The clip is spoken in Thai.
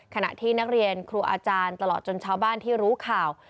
ขณะที่นักเรียนครูอาจารย์ตลอดจนชาวบ้านที่รู้ข่าว